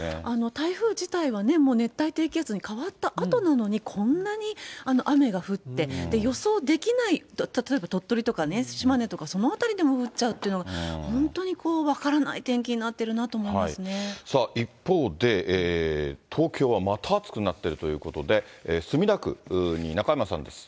台風自体はもう熱帯低気圧に変わったあとなのにこんなに雨が降って、予想できない、例えば鳥取とかね、島根とか、その辺りでも降っちゃうというのが、本当に分からないさあ、一方で、東京はまた暑くなってるということで、墨田区に中山さんです。